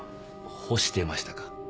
干してましたか。